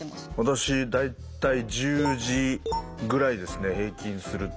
私大体１０時ぐらいですね平均すると。